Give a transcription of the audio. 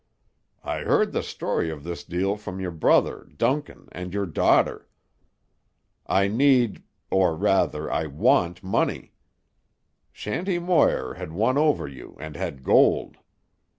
I heard the story of this deal from your brother Duncan and your daughter. I need—or rather, I want money. Shanty Moir had won over you and had gold.